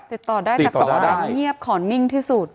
ติดต่อได้แต่สบายเงียบขอนิ่งที่สุด